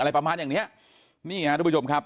ประมาณอย่างเนี้ยนี่ฮะทุกผู้ชมครับ